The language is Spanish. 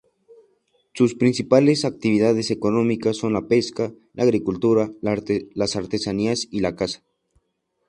Sus principales actividades económicas son la pesca, la agricultura, las artesanías y la caza.